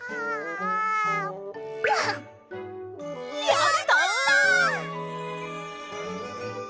やった！